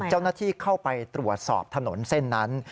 เจ้าหน้าที่เข้าไปตรวจสอบถนนเส้นนั้น